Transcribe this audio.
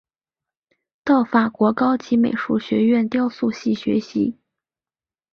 到法国高级美术学院雕塑系学习。